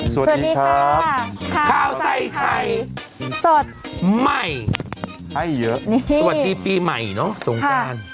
สวัสดีครับข้าวใส่ไข่สดใหม่ให้เยอะสวัสดีปีใหม่เนอะสงการ